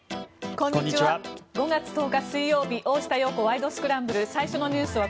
こんにちは。